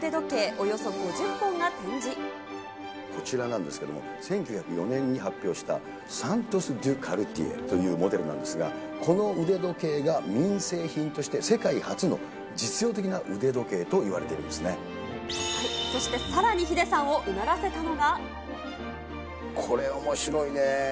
およそ５０本がこちらなんですけど、１９０４年に発表したサントス・ドゥ・カルティエというモデルなんですが、この腕時計が民生品として世界初の実用的な腕時計といわれてるんそして、さらにヒデさんをうこれおもしろいね。